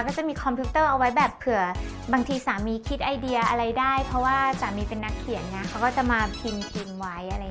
ก็จะมีคอมพิวเตอร์เอาไว้แบบเผื่อบางทีสามีคิดไอเดียอะไรได้เพราะว่าสามีเป็นนักเขียนไงเขาก็จะมาพิมพ์พิมพ์ไว้อะไรอย่างนี้